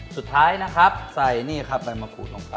สุดท้ายนะครับใส่นี่ครับใบมะขูดลงไป